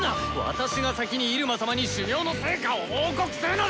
私が先にイルマ様に修業の成果を報告するのだ！